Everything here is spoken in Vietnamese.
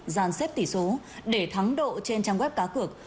giàn xếp tỷ số để thắng độ trên trang web cá cược